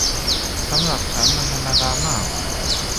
สำหรับฉันมันธรรมดามาก